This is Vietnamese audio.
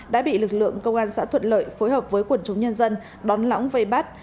đã bị lực lượng công an xã thuận lợi phối hợp với quần chúng nhân dân đón lõng vây bắt